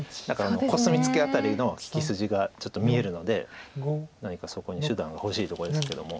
コスミツケ辺りの利き筋がちょっと見えるので何かそこに手段が欲しいとこですけども。